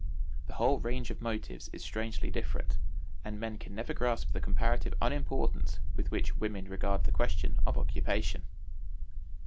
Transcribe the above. The whole range of motives is strangely different, and men can never grasp the comparative unimportance with which women regard the question of occupation.